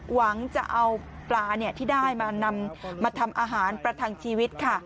หวังจะเอาปลาที่ได้มานำมาทำอาหารประทังชีวิตค่ะ